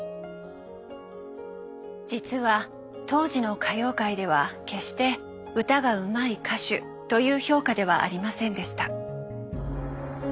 実は当時の歌謡界では決して歌がうまい歌手という評価ではありませんでした。